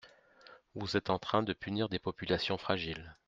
Vous êtes en train de punir des populations fragiles.